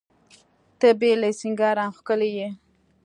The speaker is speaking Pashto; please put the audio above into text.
ته بې له سینګاره هم ښکلي یې.